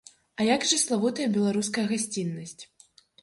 А як жа славутая беларуская гасціннасць?